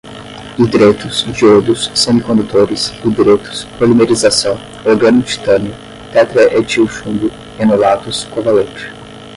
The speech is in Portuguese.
hidretos, diodos, semicondutores, hidretos, polimerização, organotitânio, tetraetilchumbo, enolatos, covalente